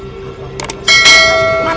kalau langsung mati